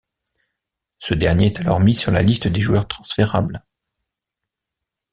Ce dernier est alors mis sur la liste des joueurs transférables.